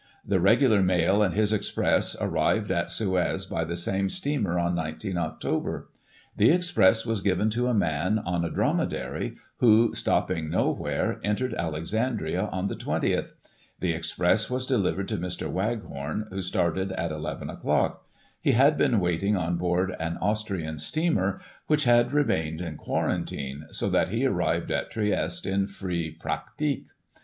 The regular Mail and his Express arrived at Suez by the same steamer on 19 Oct. The Express was given to a man on a dromedary, who, stopping nowhere, entered Alexandria on the 20th. The Express was delivered to Mr. Waghorn, who started at 11 o'clock. He had been waiting on board an Austrian steamer,, which had remained in quarantine, so that he arrived at Trieste in free pratique.